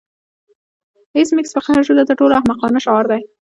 ایس میکس په قهر شو دا تر ټولو احمقانه شعار دی